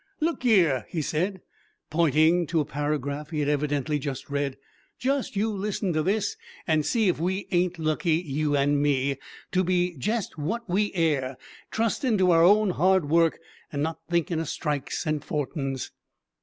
"Look yer," he said, pointing to a paragraph he had evidently just read, "just you listen to this, and see if we ain't lucky, you and me, to be jest wot we air trustin' to our own hard work and not thinkin' o' 'strikes' and 'fortins.'